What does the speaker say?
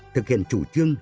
thực hiện chủ trương